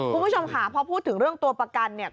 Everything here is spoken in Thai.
คุณผู้ชมค่ะพอพูดถึงเรื่องตัวประกันเนี่ย